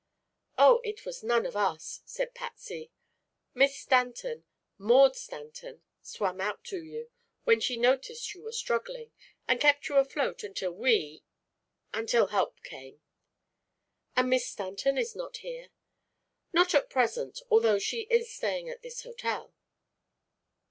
"Oh, it was none of us," said Patsy. "Miss Stanton Maud Stanton swam out to you, when she noticed you were struggling, and kept you afloat until we until help came." "And Miss Stanton is not here?" "Not at present, although she is staying at this hotel."